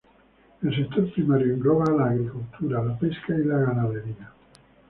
El sector primario engloba a la agricultura, la pesca y la ganadería.